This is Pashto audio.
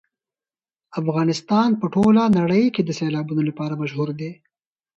افغانستان په ټوله نړۍ کې د سیلابونو لپاره مشهور دی.